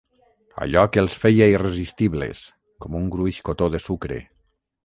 Allò que els feia irresistibles, com un gruix cotó de sucre.